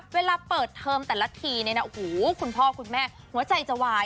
เวลาเปิดเทอมแต่ละทีคุณพ่อคุณแม่หัวใจจะวาย